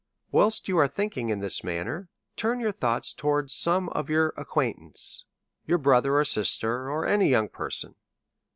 Whilst you are thinking in this manner, turn your thoughts towards some of your acquaintance, your bro ther or sister, or any young" person.